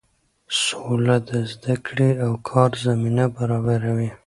سوله د زده کړې او کار زمینه برابروي.